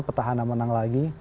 petahana menang lagi